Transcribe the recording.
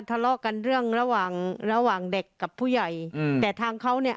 ทะเลาะกันเรื่องระหว่างระหว่างระหว่างเด็กกับผู้ใหญ่อืมแต่ทางเขาเนี่ย